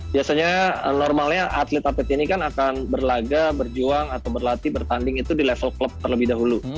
biasanya normalnya atlet atlet ini kan akan berlaga berjuang atau berlatih bertanding itu di level klub terlebih dahulu